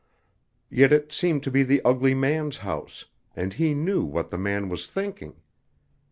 Yet it seemed to be the ugly man's house, and he knew what the man was thinking.